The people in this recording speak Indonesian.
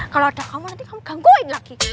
kalau ada kamu nanti kamu gangguin lagi